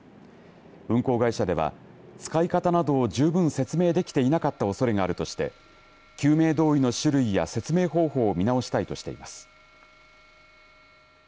運航会社では使い方などを十分説明できていなかったおそれがあるとして救命胴衣の種類や説明方法を見直したいとしています。